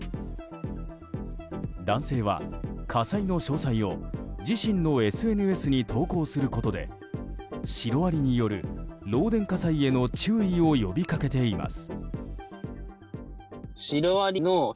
男性は、火災の詳細を自身のＳＮＳに投稿することでシロアリによる漏電火災への注意を呼びかけています。